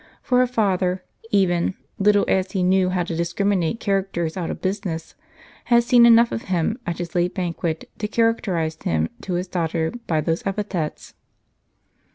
For her father, even, little as he knew how to discriminate characters out of busi ness, had seen enough of him at his late banquet to charac terize him to his daughter by those epithets.